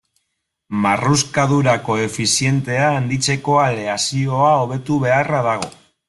Marruskadura koefizientea handitzeko aleazioa hobetu beharra dago.